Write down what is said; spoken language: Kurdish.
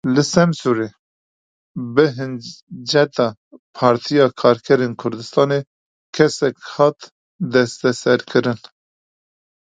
Li Semsûrê bi hinceta Partiya Karkerên Kurdistanê kesek hat desteserkirin.